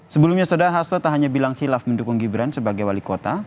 sebelumnya soda hasto tak hanya bilang khilaf mendukung gibran sebagai wali kota